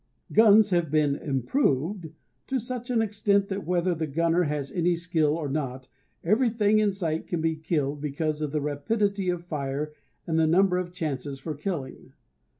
Guns have been "improved" to such an extent that whether the gunner has any skill or not everything in sight can be killed because of the rapidity of fire and the number of chances for killing.